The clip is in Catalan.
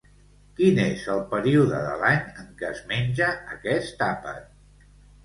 Quin és el període de l'any en què es menja aquest àpat?